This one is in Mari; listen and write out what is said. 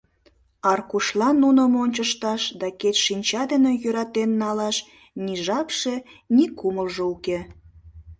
Аркушлан нуным ончышташ да кеч шинча дене йӧратен налаш ни жапше, ни кумылжо уке.